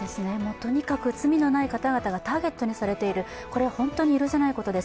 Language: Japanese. とにかく罪のない方々がターゲットにされているこれは本当に許せないことです。